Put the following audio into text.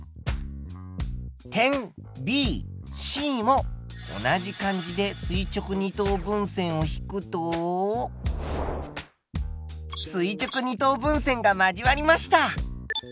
点ＢＣも同じ感じで垂直二等分線を引くと垂直二等分線が交わりました。